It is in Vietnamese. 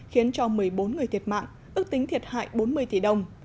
khiến cho một mươi bốn người thiệt mạng ước tính thiệt hại bốn mươi tỷ đồng